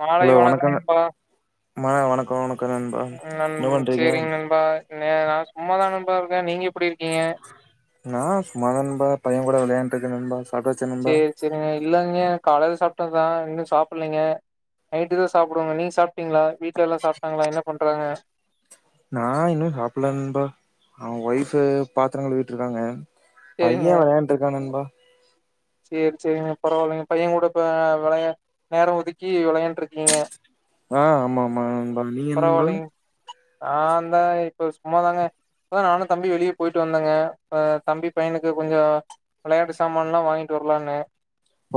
மாலை ஹலோ வணக்கம் வணக்கங்க நண்பா. அ நன் சேரிங் நண்பா நா நா சும்மாதா நண்பா இருக்கே நீங்க எப்டி இருக்கீங்க நா சும்மாதா நண்பா பையன் கூட விளயாண்ட்ருக்க நண்பா சாப்ட்டாச்சா நண்பா செரிங்க இல்லங்கே காலைல சாப்ட்டதா இன்னும் சாப்பல்லங்கே நைட்டு தா சாப்டுவங்க நீங்க சாப்ட்டீங்ளா வீட்ல எல்லா சாப்ட்டாங்களா என்ன பண்றாங்க நா இன்னும் சாப்புல நண்பா அவுங்க ஒய்ஃப்பு பாத்துரங்கழுவிட்ருக்காங்க சேரிங்க. பைய வெளயாண்ட்ருக்கா நண்பா சேரி சேரிங்க பரவால்லங்க பையங்கூட இப்ப வெளையா நேரம் ஒதுக்கி வெளையாண்ட்ருக்கீங்க அ ஆமாமா நண்பன் நீங்க நண்பன் ஆ அந்தா இப்ப சும்மாதாங்க இப்ப தா நானும் தம்பியு வெளிய போயிட்டு வந்தங்க அ தம்பி பையனுக்கு கொஞ்சோ விளயாட்டு சாமான்ல்லா வாய்ங் ட்டுர்லான்னு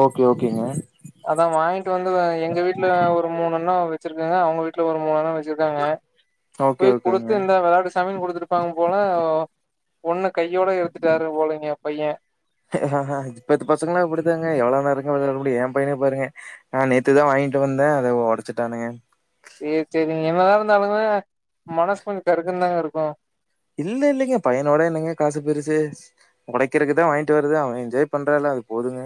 ஓகே ஓகேங்க அதா வாங்கிட்டு வந்து அ எங்க வீட்ல ஒரு மூணுநா வச்சிருக்கங்க அவுங்க வீட்ல ஒரு மூணுநா வச் சுருக்காங்க போய் ஓகே குடுத்து ஓகேங்க இந்தா வெளாடு சாமின் குடுத்துரு ப்பாங்க போல ஒண்ணு கையோட எடுத்துட்டாரு போலங்க பைய இப்பத்து பசங்களாம் இப்பிடித்தாங்க எவ்ளோ நேரங்க விளயாடவே முடியும் ஏன் பையனே பாருங்க அ நேத்துதா வாங்கிட்டு வந்த அத ஒடச்சுட்டானுங்க ம் செரிங்க என்னதா இருந்தாலுமே மனசு கொஞ்சம் கருக்குன் தாங்க இருக்கும் இல்ல இல்லீங்க பையனோட என்னங்க காசு பெருசு ஒடைக்கிறதுக்குதா வாய்ங்ட்டு வர்றது அவ என்ஜாய் பண்றால அது போதுங்க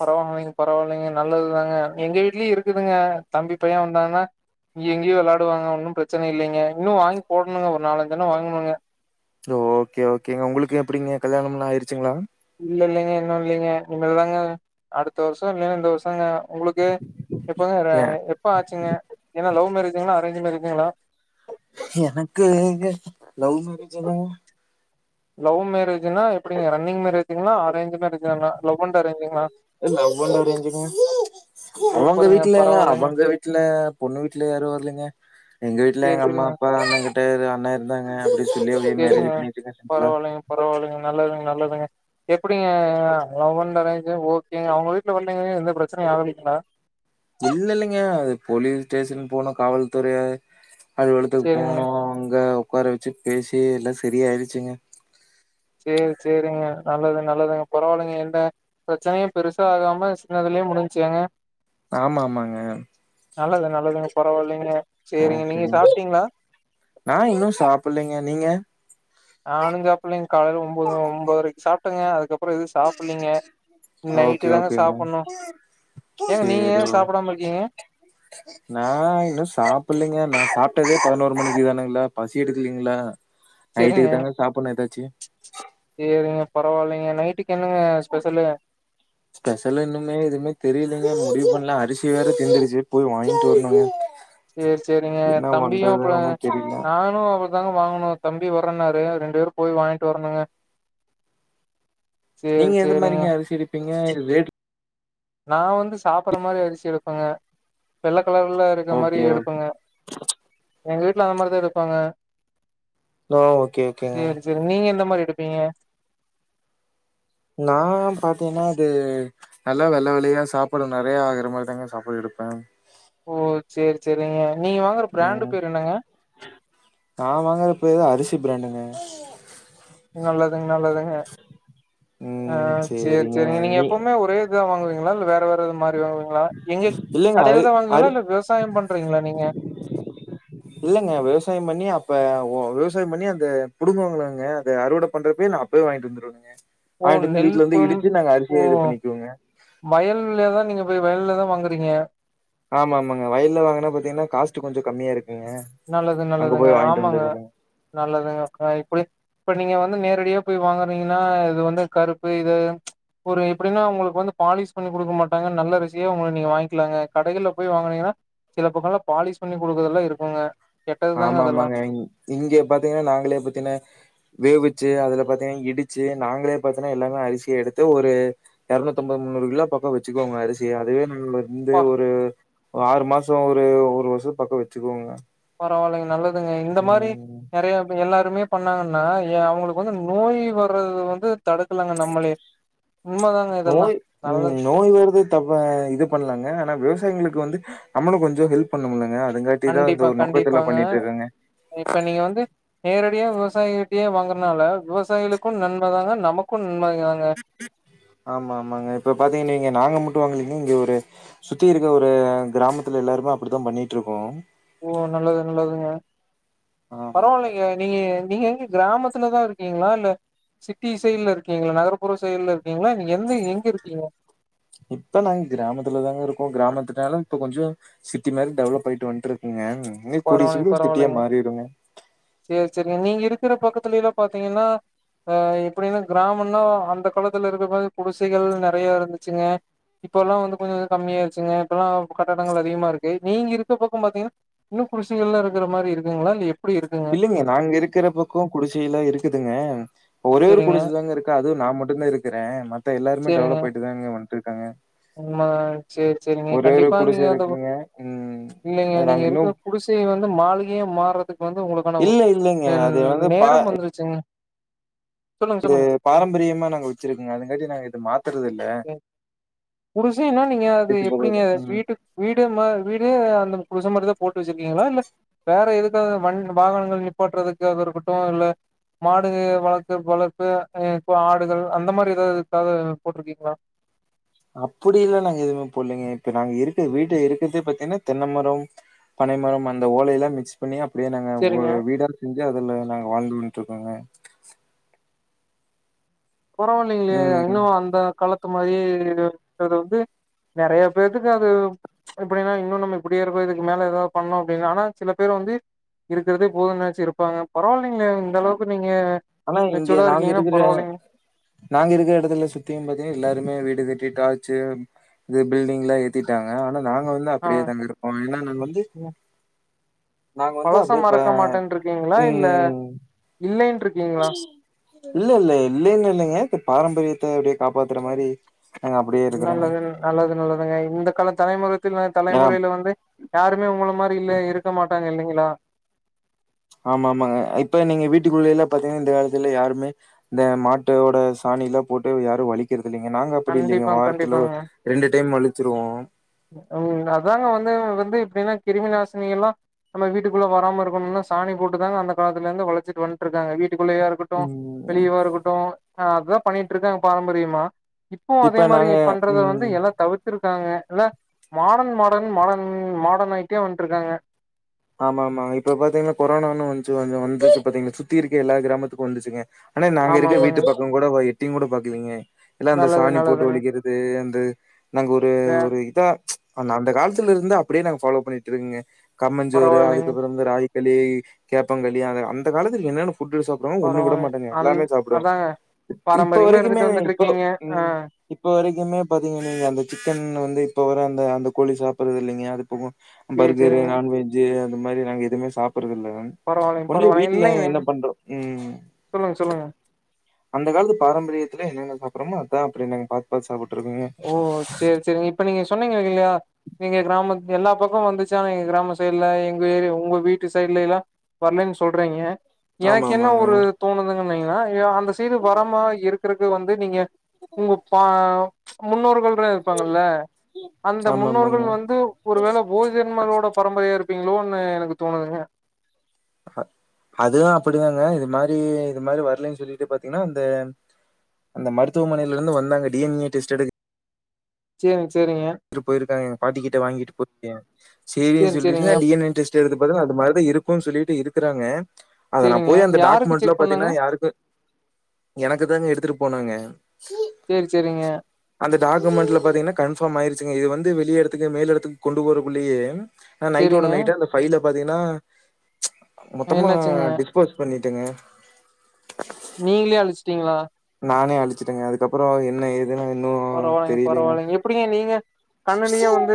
பரவால்லைங்க பரவால்லைங்க நல்லதுதாங்க எங்க வீட்லயும் இருக்குதுங்க தம்பி பைய வந்தான்னா இங்கியு இங்கியு வெள்ளாடுவாங்க ஒன்னும் பிரச்சன இல்லீங்க உன்னோ வாங்கி போட்ணுங்க ஒரு நாலஞ்சு தான வாங்கணுங்க ஓகே ஓகேங்க உங்குளுக்கு எப்பிடிங்க கல்யாணம்லா ஆயிருச்சுங்ளா இல்ல இல்லைங்க இன்னு இல்லைங்க இனிமேல் தாங்க அடுத்த வருஷம் இல்லேனா இந்த வருஷங்க உங்குளுக்கு எப்போங்க எ எப்ப ஆச்சுங்க என்ன லவ் மேரேஜீங்ளா அரேஞ்ச் மேரேஜீங்ளா எனக்கு ஏங்க லவ் மேரேஜ்ஜல்லா லவ்வு மேரேஜ்னா எப்டிங்க ரன்னிங் மேரஜ்ங்ளா அரேஞ்சி மேரேஜ்ஜிங்ளா love and arrange love and அரேஞ்ச்சிங்க அவங்க சூப்பருங்க வீட்ல பரவாயில்லைங்க அவங்க வீட்ல பொண்ணு வீட்ல யாரு வர்லீங்க எங்க வீட்ல சேரி எங்க அம்மா சேரிங்க அப்பா அண்ண கிட்ட அண்ணா இருந்தாங்க அப்டி சொல்லி அப்டே மேரேஜ் பண்ணிட்டு இருக்கங்க வீட்ல பரவாயில்லங்க நல்லதுங் நல்லதுங்க எப்டிங்க லவ் பண்றது ஓகேங்க அவுங்க வீட்ல வந்து எந்த ப்ரச்சனையு ஆகலைங்ளா இல்ல இல்லைங்க அது போலீஸ் ஸ்டேஷன் போனு காவல்துறைய காவலத்துக்கு சேரிங்க போனோ அங்க உக்கார வெச்சு பேசி எல்லா சரியாடுச்சுங்க சேரி சேரிங்க நல்லது நல்லதுங்க பரவாயில்லைங் என்ன பிரச்சனைய பெருசாகாம சின்னதுலயே முடிஞ்சு ஏங்க ஆம் ஆமாங்க நல்லது நல்லதுங்க பரவாயில்லைங்க சேரிங்க ஓகேங் நீங்க ஒகேங் சாப்ட்டீங்களா நா இன்னு சாப்படலைங்க நீங்க நானு சாப்பிலைங் காலைல் ஒம்போது ஒம்போதரைக் சாப்ட்ங்க அதுக்கப் புறோ எது சாப்பிலைங்க ஓகே நைட்டு தாங்க ஓகேங்க. சாப்படுணு ஏங்க நீங்க ஏ சேரி ஓ சாப்டாம இருக்கீங்க நா இன்னு சாப்பிடலைங்க நா சாப்டதே பதினோரு மணிக்கு தானேங்களா பசி எடுக்கலீங்களா செரிங்க நைட்டுக்கு தாங்க சாப்பிடணு ஏதாச்சி சேரிங்க பரவாயில்லைங்க நைட்டுக்கு என்னங்க ஸ்பெஷலு ஸ்பெஷல் இன்னுமே எதுமே தெரியலீங்க முடிவு பண்ல அரிசி வேற தீந்துருச்சு போயி வாங்ட்டு வரணுங்க சேரி சேரிங்க என்ன தம்பியு பண்றது அப்பள ஒன்னு தெரில நானு தாங்க வாங்கணு தம்பி வரேனாரு ரெண்டு பேரும் போயி வாங்ட்டு வரணுங்க சேரி நீங்க எந்த சேரிங்க மாரிங்க அரிசி எடுப்பீங்க ரேட் நா வந்து சாப்பற மாரி அரிசி எடுப்பங்க வெள்ள கலர்ல இருக்க மாரி ஓகே ஓகே எடுப்பங்க எங்க வீட்ல அந்த மாரிதா எடுப்பாங்க ஓ ஓகே ஓகேங்க சேரி நீங்க எந்த மாரி எடுப்பீங்க நா பாத்தீனா அது நல்லா வெள்ளை வெளியா சாப்பாடு நெறைய ஆகுற மாரி தாங்க சாப்பாடு எடுப்பே ஓ சேரி சேரிங்க நீங்க வாங்குற பிராண்டு ம் பேர் என்னங்க நா வாங்குறப்ப ஏதோ அரிசி பிராண்டுங்க நல்லதுங் நல்லதுங்க ஆ ம் சேரி சேரிங்க நீங்க நீ எப்போமே ஒரே இதுதா வாங்குவீங்களா இல்ல வேற வேறது மாரி வாங்குவீங்ளா எங்க இல்லங்க கடைல அரி தா வாங்குவீங்ளா அரி இல்ல விவசாயம் பண் றீங்களா நீங்க இல்லங்க விவசாயம் பண்ணி அப்ப விவசாயம் பண்ணி அந்த புடுங்குவாங்களங்க அத அறுவட பண்றப்பே நா போய் வாங்ட்டு வந்துருவங்க ஓ வாங்ட்டு வந்து நெல் வீட்ல வந்து இடிச்சு நாங்க அரிசியா இது பண்ணிக்வோங்க வயல்லதா நீங்க போய் வயல்ல தா வாங்கறீங்க ஆமா ஆமாங்க வயல்ல வாங்கனா பாத்தீங்கனா காஸ்ட் கொஞ்ச கம்மியா இருக்குங்க நல்லது அங்க நல்லதுங்க போய் வாங்கிட்டு ஆமாங்க வந்துர்றதுங்க. நல்லதுங்க இப்டி இப்ப நீங்க வந்து நேரடியா போயி வாங்கறீங்கனா இது வந்து கருப்பு இது ஒரு எப்டின்னா ஒங்ளுக்கு வந்து பாலிஷ் பண்ணி குடுக்க மாட்டாங்க நல்ல அரிசியா அவங்க நீங்க வாங்கிக்கலாங்க கடைகள்ல போயி வாங்குனீங்கனா சில பக்கல்லா பாலிஷ் பண்ணி குடுக்குறதெல்லா இருக்குங்க கெட்டது தாங்க ஆமா அதெல்லா ஆமாங்க இங்க பாத்தீங்கனா நாங்ளே பாத்தீங்கனா வேவிச்சு அதுல பாத்தீங்கனா இடிச்சு நாங்களே பாத்தீங்கனா எல்லாமே அரிசிய எடுத்து ஒரு இரநூத்திம்பது முன்னூறு கிலோ பக்கோ வெச்சுக்கோங்க அரிசிய அதுவே நு இந்த அப்பா ஒரு ஆறு மாச ஒரு ஒரு வருஷ பக்க வச்சிக்கோங்க பரவாலைங்க நல்லதுங்க இந்த மாரி நெறைய எல்லாருமே பண்ணாங்கன்னா ஏ அவுங்களுக்கு வந்து நோய் வறது வந்து தடுக்கலாங்க நம்மளே உண்ம தாங்க இதெல்லா நோய் நல்லது ம் நோய் வரது தப்ப இது பண்லாங்க ஆனா விவசாயிகளுக்கு வந்து நம்ளு கொஞ்சோ ஹெல்ப் பண்ணுலங்க அதுங்காட்டி தா வந்து கண்டிப்பா ஒரு நோக்கத்துல கண்டிப்பாங்க பண்ணிட்ருக்கேங்க இப்ப நீங்க வந்து நேரடியா விவசாயிகிட்டயே வாங்கறனால விவசாயிகளுக்கு நண்பதாங்க நமக்கு நன்மை தாங்க ஆமா ஆமாங்க இப்ப பாத்தீங்கன்ன நீங்க நாங்க மட்டு வாங்ளைங்க இங்க ஒரு சுத்தி இருக்க ஒரு கிராமத்துல எல்லாருமே அப்டித்தா பண்ணிட்ருக்கோ ஓ நல்லது நல்லதுங்க ஆமாங்க பரவாலைங் க நீங்க நீங்க எங்க கிராமத்துலதா இருக்கீங்களா இல்ல சிட்டி சைட்ல இருக்கீங்களா நகர்புற சைட்ல இருக்கீங்களா இல்ல எந்த எங்க இருக்கீங்க இப்ப நாங்க கிராமத்துலதாங்க இருக்கோ கிராமத்துனாலு இப்ப கொஞ்சோ சிட்டி மாரி டெவலப் ஆயிட்டு வண்ட்ருக்குங்க இனியு கூடியா சீக்ர சிட்டியா மாறிடுங்க சேர் சேரிங்க நீங்க இருக்குற பக்கத்துலலா பாத்தீங்கன்னா அ எப்டின்னா கிராமனா அந்த காலத்துல இருக்க மாரி குடிசைகள் நெறைய இருந்துச்சிங்க இப்பெல்லா வந்து வந்து கம்மியாச்சுங்க இப்பெல்லா கட்டங்கள் அதிகமா இருக்கு நீங்க இருக்க பக்கம் பாத்தீங்ன்னா இன்னு குடிசைகள்லா இருக்குற மாரி இருக்குங்ளா இல்ல எப் இல்லங்க நாங்க இருக்கிற பக்கோ குடிசைலா இருக்குதுங்க ஒரே ஒரு செரிங்க குடிசதாங்க இருக்கு அது நா மட்டும்தா இருக்குறே மத்த எல்லாருமே டெவலப் ஆயிட்டுதாங்க வந்துருக்காங்க உண்ம சேரி சேரிங்க ஒரு கண்டிப்பா குடிசை நீங்க அத இருக்குங்க ம் இல்லங்க அது நீங்க நாங்க இன்னு இருக்க குடிசை வந்து மாளிகையா மாறதுக்கு வந்து ஒங்ளுக்கான இல்ல இல்லைங்க அது வந்து பா நேரம் வந்துருச்சுங்க சொல்லுங்க இது சொல்லுங்க பாரம்பரியமா நாங்க வச்சிருக்கோங்க அதுங்காட்டி நாங்க இது மாத்றது இல்ல குடிசைனா நீங்க அது தேச்சு போகாது எப்டிங்க ம் வீட்டுக் வீடு மா வீடு அந்த குடிசமாரிதா போட்டு வச்சிருக்கீங்களா இல்ல வேற எதுக்காக வண் வாகனங்கள் நிப்பாட்டுறதுக்கு அது ஒரு குட்டோ இல்ல மாடு வளத்து வளத்து இப்ப ஆடுகள் அந்த மாரி எதாதுக்காக போட்ருக்கீங்களா அப்டிலா நாங்க எதுவுமே போலங்க இப்ப நாங்க இருக்க வீட்ல இருக்கறதே பாத்தீங்கன்னா தென்னமரம் பனைமரம் அந்த ஓலையெல்ல மிக்ஸ் பண்ணி அப்டியே நாங்க ஒரு செரிங்க வீடா செஞ்சி அதுல நாங்க வாழ்ந்து வன்ட்ருக்கோங்க பரவாலிங்லே ம் இன்னு அந்த காலத்து மாரியே இருக்றது நெறையா பேத்துக்கு அது இப்டின்னா இன்னு நம்ம இப்டியே இருக்கோ இதுக்கு மேல எதா பண்ணு அப்டின்னாலு சில பேர் வந்து இருக்கிறதே போது நெனச்சி இருப்பாங்க பரவாலிங்லே இந்த அளவுக்கு நீங்க ஆனா இங்க மெச்சூர்டா நாங்க இருக்கீங்கன்னா இருக்குற பரவாயில்லைங்க நாங்க இருக்கிற எடத்துல சுத்தியு பாத்தீங்ன்னா எல்லாருமே வீடு கட்டி டார்ச்சு இது பில்டிங்லா ஏத்திட்டாங்க ஆனா நாங்க வந்து ஆ அப்டியே தாங்க இருப்போ ஏனா நாங்க வந்து நாங்க வந்து பலச அப்படியே ப மறக்க மாட்டேன்ருக்கீங்களா இல்ல இல்லன் இல்லல்ல இல்லைங்க இல்லைங்க இப்ப பாரம்பரியத்த அப்டியே காப்பாத்துற மாரி நாங்க அப்டியே இருக்குறோங்க நல்லது நல்லது நல்லதுங்க இந்த கால தலைமுறைத்தில் ஏனா தலைமுறையில வந்து யாருமே ஒங்கள மாரி இல்ல இருக்க மாட்டாங்க இல்லைங்களா ஆமா ஆமாங்க இப்ப நீங்க வீட்டுக்குள்ளலா பாத்தீங்கன்னா இந்த காலத்துல யாருமே இந்த மாட்டோட சாணிலா போட்டு யாரு வளிக் கிறது இல்லைங்க நாங்க அப்டி இல்லைங்க கண்டிப்பாங்க வாரத்துல கண்டிப்பாங்க ரெண்டு டைம் வழிச்சிருவோ ம் அதாங்க வந்து வந்து எப்பயுமே கிருமி நாசினி எல்லா நம்ம வீட்டுக்குள்ளே வராம இருக்கணுனா சாணி போட்டுதாங்க அந்த காலத்துல இருந்து வழிச்சிட்டு வந் துட்ருக்காங்க வீட்டுக்குள்ளயா இருக்கட்டு ம் வெளியவா இருக்கட்டு அ அதுதா பண்ணிட்டு இருக்காங்க பாரம்பரியமா இப்பவு அதே இப்ப மாரி நாங்க பண்றத வந்து ம் எல்லா தவிர் த்துருக்காங்க இல்ல மாடர்ன் மாடர்ன் மாடர்ன் மாடர்ன் ஆயிட்டோ வந்துட்டு இருக்காங்க ஆமா ஆமா இப்ப பாத்தீங்கன்னா கொரோனான்னு வந்துச்சு ஒன்னு வந்துச்சு பாத்திங்களா சுத்தி இருக்க எல்லா கிராமத்துக்கு வந்துச்சுங்க ஆனா நாங்க ஆமா இருக்க ஆமாங்க வீட்டு பக்கம்கூட எட்டியும்கூட பாக்கலைங்க எல்லா அந்த நல்லது சாணி போட்டு நல்லதுங்க வழிக்கிறது அது அந்த நாங்க ஒரு வே ஒரு இதா ஆனா அந்த காலத்துல இருந்து அப்டியே நாங்க ஃபாலோ பண்ணிட்டு இருக்கங்க கம்மஞ்சோறு பரவாயில்லைங்க அதுக்கப்பறோ இந்த ராகி களி கேப்பங்களி அந்த அந்த காலத்தில என்னன்ன ஃபுட்டு சாப் புட்றோ ஒண்ணு விட பரவால்ல மாட்டோங்க அந் எல்லாமே சாப்பிடுவ அதாங்க இப்ப பாரம்பரியமா வரைக்குமே இருந்துட்டு வந்துட்டு இப்போ இருக்கீங்க ஆ ம் இ இப்போ வரைக்குமே பாத்தீங்க நீங்க அந்த சிக்கன் வந்து இப்ப வர அந்த அந்த கோழி சாப்ட்டது இல்லைங்க அது போக சேரி பர்கரு சேரிங்க நான்வெஜ் அந்த மாரி நாங்க எதுவுமே சாப்பிட்றது இல்ல பரவாயில்லைங்க ஒன்னு இல்ல பரவாயில்லைங்க வீட்ல இல்லைங்க என்ன பண்றோ ம் சொல்லுங்க சொல்லுங்க அந்த காலத்து பாரம்பரியத்துல என்னென்ன சாப்புட்றோமோ அதா அப்டி நாங்க பாத்து பாத்து சாப்ட்டுட்டு இருக்கோங்க ஓ சேரி சேரிங்க இப்ப நீங்க சொன்னீங்க இல்லையா எங்க கிராமத்தில் எல்லா பக்கம் வந்துச்சு ஆனா எங்க கிராம சைடுல எங்க ஏரியா உங்க வீட்டு சைடுல எல்லா வரலன்னு சொல்றீங்க ஆமா, எனக்கு என்ன ஆமாங்க. ஒரு தோணுதுங்கனீங்கன்னா அ அந்த சைடு வரமா இருக்குறக்கு வந்து நீங்க உங்க பா முன்னோர்கள் இரு ப்பாங்கல்ல அந்த ஆமா, முன்னோர்கள் ஆமாங்க. வந்து ஒரு வேளை போதிதர்மரோட பரம்பரையா இருப்பீங்களோன்னு எனக்கு தோணுதுங்க அ அதுவு அப்டிதாங்க இது மாரி இது மாரி வரலைன்னு சொல்லிட்டு பாத்தீங்கன்னா இந்த அந்த மருத்துவமனையில இருந்து வந்தங்க டி என் ஏ‌ டெஸ்ட் எடு சேரிங்க சேரிங்க த்துட்டு போயிருக்காங்க எங்க பாட்டி கிட்ட வாங்கிட்டு போ சேரின்னு சேரி சொல்லிட்டு சேரிங்க D N A test எடுத்து பாத்து அந்த மாரிதா இருக்குனு சொல்லிட்டு இருக்கிறாங்க அத நா சேரிங்க போய் அந்த யாருக்கு டாக்குமெண்ட்ல செக் பண்ணாங்க பாத்தீங்கன்னா யாருக்கு எனக்கு தாங்க எடுத்துட்டு போனாங்க சேரி சேரிங்க அந்த டாக்குமெண்ட்ல பாத்தீங்கன்னா கன்ஃபர்ம் ஆயிருச்சுங்க இது வந்து வெளிய எடத்துக்கு மேல் எடத்துக்கு கொண்டு போரக்குள்ளயே ஆ நைட்டோட சேரிங்க நைட்டா அந்த ஃபைல பாத்தீங்கன்னா மொத்தமா என்னாச்சுங்க டி ஸ்போஸ் பண்ணிட்டோங்க நீங்களே அழிச்சிட்டீங்களா நானே அழிச்சுட்டேங்க அதுக்கப்பறோ என்ன ஏதுன்னு ஒன்னு பரவாயில்லைங்க தெரியலங்க பரவாயில்லைங்க எப்டிங்க நீங்க கண்ணுலயே வந்து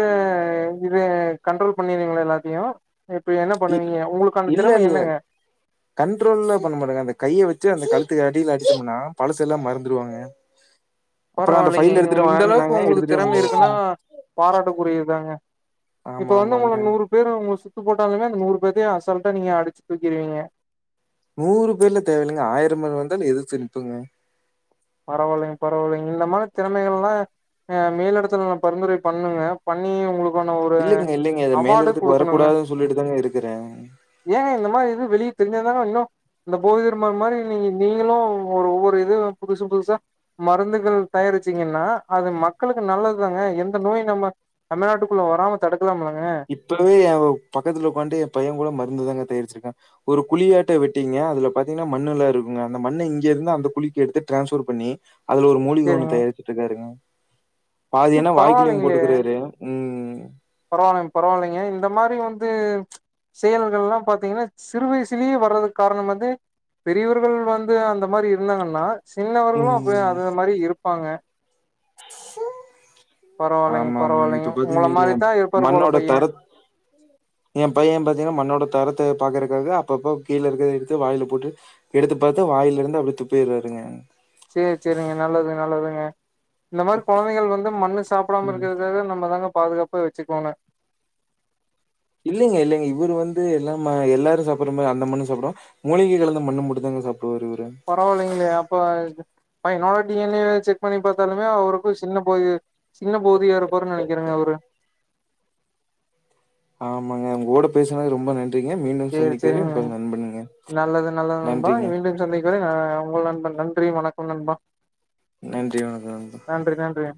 இது கண்ட்ரோல் பண்ணிருவீங்களா எல்லாத்தையு இப்ப என்ன பண்ணுவீங்க உங்களுக்கான திறமை என்னங்க கண்ட்ரோல்லா பண்ண மாட்டோங்க அந்த கையை வச்சு அந்த கழுத்துக்கு அடியில அடிச்சோம்னா பழசு எல்லா மறந்துடுவாங்க பரவாயில்லைங்க இந்த அளவுக்கு வான்னாங்க உங்களுக்கு எடுத்துட்டு திறமை வந்தேங்க இருக்குனா ம். பாராட்டுக்குரியதுதாங்க இப்ப ஆமா வந்து உங்கள ஆமாங்க. நூறு பேரு உங்கள சுத்து போட்டாலுமே அந்த நூறு பேத்தையு அசல்ட்டா நீங்க அடிச்சு தூக்கிருவீங்க நூறு பேர்ல தேவையில்லைங்க ஆயிரம் பேர் வந்தாலு எதிர்த்து நிப்போங்க பரவாயில்லைங்க பரவாயில்லைங்க இந்த மாரி திறமைகள்லா ஆ மேல் எடதுல நா பரிந்துரை பண்ணுங்க பண்ணி உங்களுக் இல்லைங்க இல்லைங்க இத மேல்லடத்துக்கு வரக்கூடாதுன்னு சொல்லிட்டு தாங்க இருக்கிறே ஏ இந்த மாரி இது வெளிய தெரிஞ்சா தாங்க இன்னும் இந்த போதிதர்மன் மாதிரி நீ நீங்களும் ஒரு ஒவ்வொரு இது புதுசு புதுசா மருந்துகள் தயாரிச்சீங்கன்னா அது மக்களுக்கு நல்லதுதாங்க எந்த நோய் நம்ம தமிழ்நாட்டுக்குள்ள வராம தடுக்கலாம்லாங்க இப்பவே என் பக்கத்துல உங்காட்டு என் பையே கூட மருந்துதாங்க தயாரிச்சிருக்கன் ஒரு குழியாட்டை வெட்டீங்க அதுல பாத்தீங்கன்னா மண்ணு எல்லாம் இருக்குங்க அந்த மண்ணை இங்க இருந்த அந்த குழிக்கு எடுத்து டிரான்ஸ்பர் பண்ணி அதுல ஒரு மூலிக ஒன்னு சேரிங்க தயாரிச்சுடுருக்காருங்க பாதி சேரி ஆனா வாய்க்குலயும் போட்டுக்கறாரு ம் பரவாலைங்க பரவால்லைங்க இந்த மாரி வந்து செய்றதெல்லாம் பாத்தீங்கன்னா சிறு வயசுலேயே வர்றதுக்கு காரணம் வந்து பெரியவர்கள் வந்து அந்த மாரி இருந்தாங்கன்னா சின்னவர்களும் அப்ப ம். அந்த மாரி இருப்பாங்க பரவாயில்லைங்க ஆமா பரவாயில்லைங்க இப்ப உங்கள பாத்தீங்கனவைங்க மாரித்தா இருப்பாரு போல மண்ணோட பைய தரத் என் பையே பாத்தீங்கன்னா மண்ணோட தரத்தை பாக்கறகாக அப்பப்ப கீழ இருக்கிறத எடுத்து வாய்ல போட்டு எடுத்து பாத்து வாயிலருந்து அப்டியே துப்பிடுவாருங்க செரி செரிங்க நல்லது நல்லதுங்க இந்த மாரி கொழந்தைகள் வந்து மண்ணு சாப்பிடாம ம். இருக்கிறதுக்காக நம்ம தாங்க பாதுகாப்பா வச்சுக்கோனு இல்லங்க இல்லங்க இவரு வந்து எல்லாமே எல்லாரும் சாப்பிற அந்த மண்ணு சாப்டும் மூலிகை கலந்து மண்ண மட்டுந்தாங்க சாப்டுவாரு இவரு பரவாயில்லைங்களையா அப்ப பையன் டி என் ஏ செக் பாத்தாலுமே அவருக்கும் சின்ன பகுதி சின்ன போதியாருபான்னு நெனைக்கிறேங்க அவரு ஆமாங்க உங்கோட பேசுனது ரொம்ப நன்றி ங்க மீண்டும் சேரி சந்திக்கிறே சேரிங்க உங்க நண்பணுங்க நன்றிங்க இதுவரை நா உங்க நண்பன் நன்றி வணக்கம் நண்பா நன்றி வணக்கம் நண்பா நன்றி நன்றிங்க